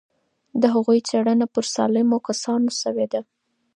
د هغوی څېړنه پر سالمو کسانو شوې وه.